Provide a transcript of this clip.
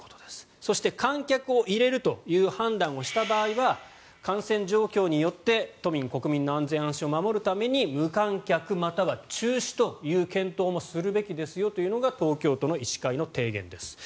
そして、観客を入れるという判断をした場合は感染状況によって都民・国民の安全安心を守るために無観客または中止という検討をするべきですよというのが東京都の医師会の提言です。